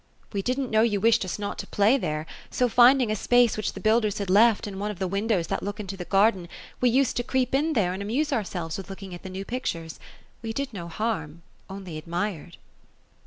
We didn't know you wished us not tc play there ; so, finding a space which the builders had left, in one of the windows that look into the garden, we used to creep in there, and amuse ourselves with looking at the new pictures. We did no harm ; only ad mired."